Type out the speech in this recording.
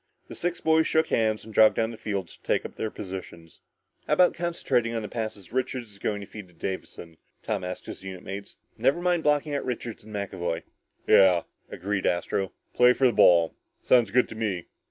The six boys shook hands and jogged down the field to take up their positions. "How about concentrating on the passes Richards is going to feed to Davison," Tom asked his unit mates. "Never mind blocking out Richards and McAvoy." "Yeah," agreed Astro, "play for the ball. Sounds good to me."